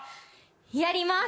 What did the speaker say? やります！